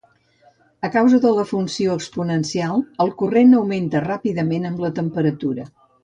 A causa de la funció exponencial el corrent augmenta ràpidament amb la temperatura.